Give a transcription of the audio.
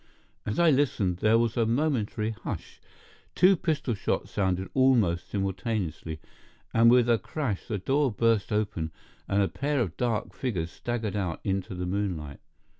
As I listened, there was a momentary hush, two pistol shots sounded almost simultaneously, and with a crash the door burst open and a pair of dark figures staggered out into the moonlight.